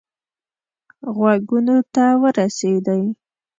غوږونو ته ورسېدی.